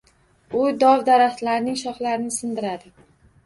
U dov-daraxtlarning shoxlarini sindiradi.